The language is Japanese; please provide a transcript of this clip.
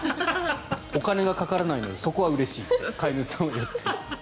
お金がかからないのでそこはうれしいって飼い主さんは言っている。